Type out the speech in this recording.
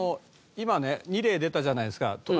今ね２例出たじゃないですか